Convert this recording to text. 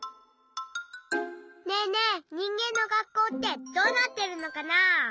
ねえねえにんげんの学校ってどうなってるのかな？